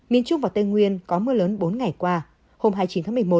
miền trung và tây nguyên có mưa lớn bốn ngày qua hôm hai mươi chín tháng một mươi một